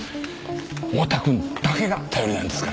太田くんだけが頼りなんですから！